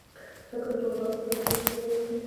ښه کنټرول کوونکی کیدل هم ډیر اړین دی.